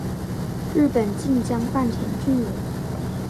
日本近江坂田郡人。